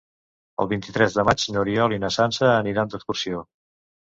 El vint-i-tres de maig n'Oriol i na Sança aniran d'excursió.